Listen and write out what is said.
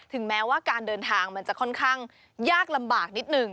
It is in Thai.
แม้ว่าการเดินทางมันจะค่อนข้างยากลำบากนิดหนึ่ง